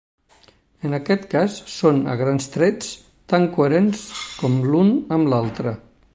En aquest cas, són, a grans trets, "tan coherents com l'un amb l'altre".